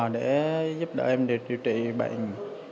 để giúp đỡ em để điều trị bệnh